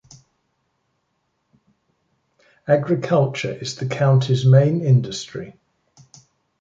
Agriculture is the county's main industry.